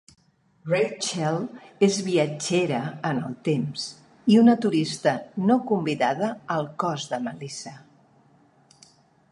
Rachael és viatgera en el temps; i una turista no convidada al cos de Melissa.